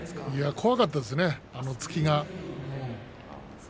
怖かったですね、あの突きが。